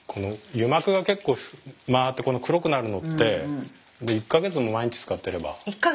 油膜が結構回って黒くなるのって１か月毎日使えばもう。